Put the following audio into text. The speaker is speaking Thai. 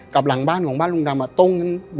หลังบ้านของบ้านลุงดำตรงกัน